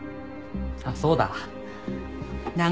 あっそうだ。